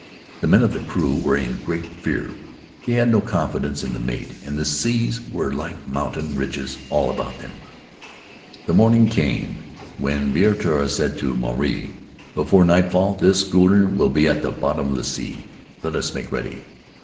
The men of the crew were in great fear; they had no confidence in the mate, and the seas were like mountain ridges all about them. The morning came when Viritoa said to Maruae: 'Before nightfall this schooner will be at the bottom of the sea; let us make ready.